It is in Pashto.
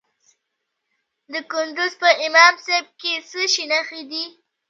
د کندز په امام صاحب کې د څه شي نښې دي؟